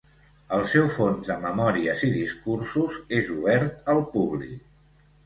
El seu fons de memòries i discursos és obert al públic.